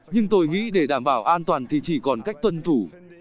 nhưng tôi nghĩ để đảm bảo an toàn thì chỉ còn cách tuân thủ